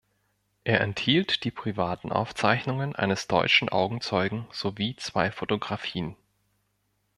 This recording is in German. Er enthielt die privaten Aufzeichnungen eines deutschen Augenzeugen sowie zwei Fotografien.